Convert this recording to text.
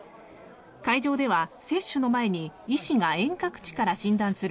会場では接種の前に医師が遠隔地から診断する